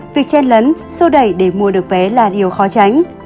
việc chen lấn sô đẩy để mua được vé là điều khó tránh